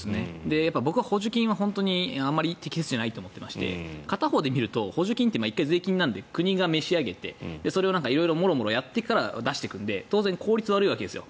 僕は補助金は本当に適切じゃないと思っていまして片方で見ると補助金って税金なので国が召し上げてそれを色々、もろもろやってから出していくので当然効率が悪いわけです。